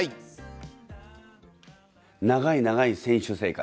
長い長い選手生活